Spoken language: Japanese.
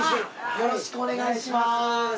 よろしくお願いします。